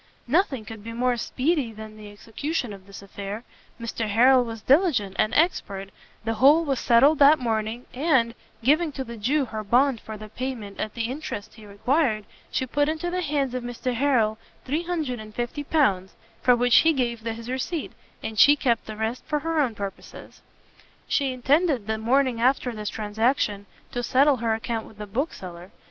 Nothing could be more speedy than the execution of this affair, Mr Harrel was diligent and expert, the whole was settled that morning, and, giving to the Jew her bond for the payment at the interest he required, she put into the hands of Mr Harrel L350, for which he gave his receipt, and she kept the rest for her own purposes. She intended the morning after this transaction to settle her account with the bookseller.